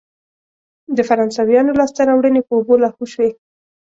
د فرانسویانو لاسته راوړنې په اوبو لاهو شوې.